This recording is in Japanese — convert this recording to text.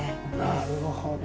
なるほどね。